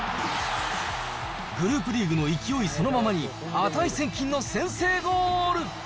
グループリーグの勢いそのままに、値千金の先制ゴール。